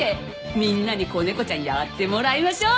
みんなに子猫ちゃんやってもらいましょう。